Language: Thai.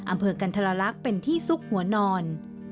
อำเภอกันทรลักษณ์เป็นที่ซุกหัวนอน